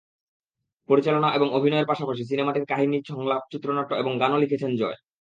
পরিচালনা এবং অভিনয়ের পাশাপাশি সিনেমাটির কাহিনি, সংলাপ, চিত্রনাট্য এবং গানও লিখেছেন জয়।